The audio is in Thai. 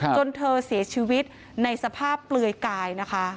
จนเธอเสียชีวิตในสภาพเปลือยกายนะคะ